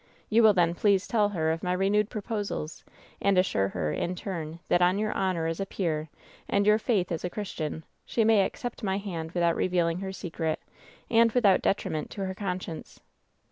You will then please tell her of my renewed proposals and assure her, in turn, that on your honor as a peer, and your faith as a Christian, she may accept my hand without revealing her secret, and without detriment to her conscience.'